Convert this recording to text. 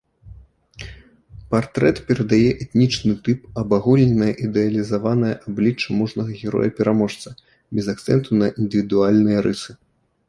Партрэт перадае этнічны тып, абагульненае ідэалізаванае аблічча мужнага героя-пераможца, без акцэнту на індывідуальныя рысы.